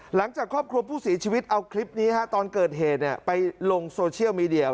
หลังจากครอบครัวผู้เสียชีวิตเอาคลิปนี้ตอนเกิดเหตุไปลงโซเชียลมีเดีย